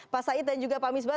pak said dan juga pak misbah